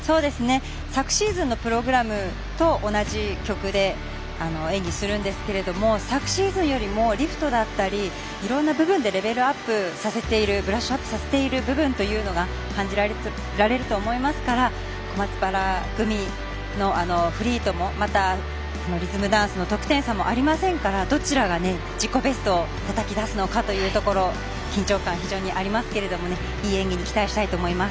昨シーズンのプログラムと同じ曲で演技するんですけど昨シーズンよりもリフトだったり、いろんな部分でレベルアップさせているブラッシュアップさせている部分というのが感じられると思いますから小松原組のフリーともまたリズムダンスの得点差もありませんからどちらが自己ベストをたたき出すのかというところ緊張感、非常にありますけどいい演技に期待したいと思います。